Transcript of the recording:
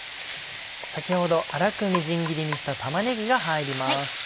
先ほど粗くみじん切りにした玉ねぎが入ります。